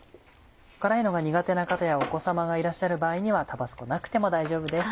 辛いのが苦手な方やお子様がいらっしゃる場合にはタバスコなくても大丈夫です。